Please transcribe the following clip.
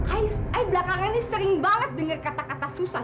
ay belakangan ini sering banget dengar kata kata susah